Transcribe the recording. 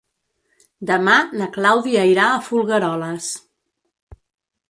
Demà na Clàudia irà a Folgueroles.